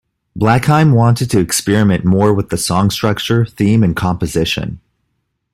Blakkheim wanted to experiment more with song structure, theme and composition.